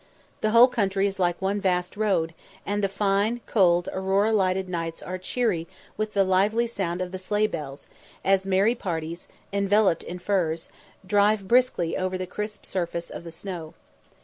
The whole country is like one vast road, and the fine, cold, aurora lighted nights are cheery with the lively sound of the sleigh bells, as merry parties, enveloped in furs, drive briskly over the crisp surface of the snow.